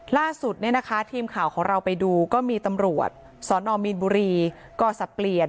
ล่าสุดเนี่ยนะคะทีมข่าวของเราไปดูก็มีตำรวจสนมีนบุรีก็สับเปลี่ยน